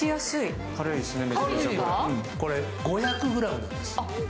これ５００ｇです。